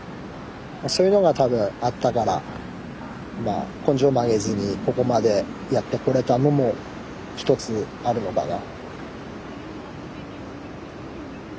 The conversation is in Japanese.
そういうのが多分あったからまあ根性曲げずにここまでやってこれたのも一つあるのかな。